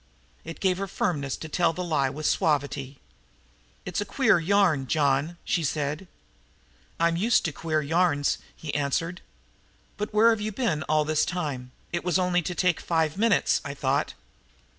It gave her firmness to tell the lie with suavity. "It's a queer yarn, John," she said. "I'm used to queer yarns," he answered. "But where have you been all this time? It was only to take five minutes, I thought."